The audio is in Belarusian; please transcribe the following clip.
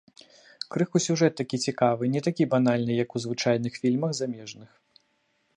Крыху сюжэт такі цікавы, не такі банальны, як у звычайных фільмах замежных.